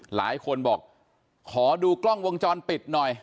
หลายคนบอกขอดูกล้องวงจรปิดหน่อย